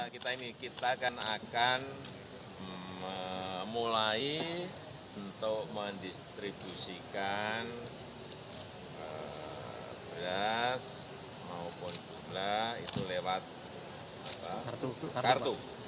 kita akan mulai untuk mendistribusikan beras maupun gula itu lewat kartu